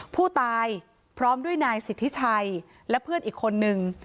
ผู้ตายพร้อมด้วยนายสิทธิชัยและเพื่อนอีกคนนึง